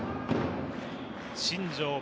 新庄